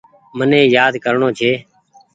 مني يآد ڪرڻو ڇي۔